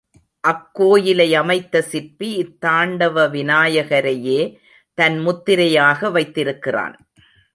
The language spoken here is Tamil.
அக்கோயிலை அமைத்த சிற்பி இத்தாண்டவ விநாயகரையே தன் முத்திரையாக வைத்திருக்கிறான்.